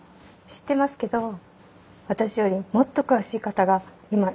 知ってますけど私よりもっと詳しい方が今いらしてます。